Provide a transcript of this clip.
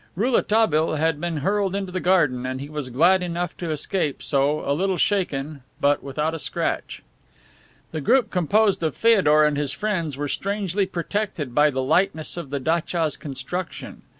Rouletabille had been hurled into the garden and he was glad enough to escape so, a little shaken, but without a scratch. The group composed of Feodor and his friends were strangely protected by the lightness of the datcha's construction.